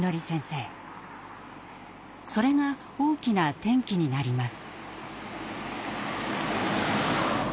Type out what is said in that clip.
それが大きな転機になります。